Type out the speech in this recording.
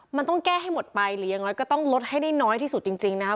มันต้องแก้ให้หมดไปหรือยังน้อยก็ต้องลดให้ได้น้อยที่สุดจริงนะครับ